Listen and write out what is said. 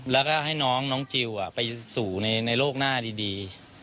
แล้วก็ให้น้องจิลไปสู่ในโลกหน้าดี